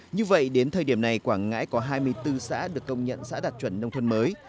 như vậy đến thời điểm này quảng ngãi có hai mươi bốn xã được công nhận xã đạt chuẩn nông thôn mới